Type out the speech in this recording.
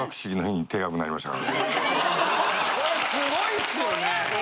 これすごいっすよね。